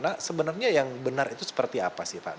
nah sebenarnya yang benar itu seperti apa sih pak